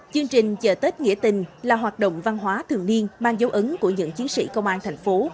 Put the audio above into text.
chương trình chợ tết nghĩa tình là hoạt động văn hóa thường niên mang dấu ấn của những chiến sĩ công an thành phố